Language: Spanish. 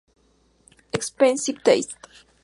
Expen$ive Taste